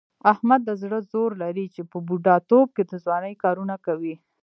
احمد د زړه زور لري، چې په بوډا توب کې د ځوانۍ کارونه کوي.